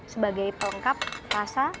sebagai pelengkap rasa